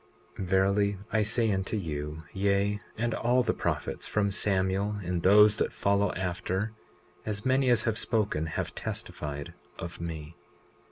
20:24 Verily I say unto you, yea, and all the prophets from Samuel and those that follow after, as many as have spoken, have testified of me.